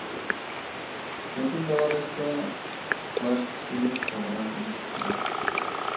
ئۇخلىتىپ داۋالاشتا ئۇخلاش ئۇسۇلى توغرا بولۇشى كېرەك.